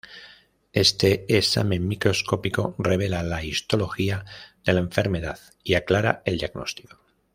Este examen microscópico revela la histología de la enfermedad y aclara el diagnóstico.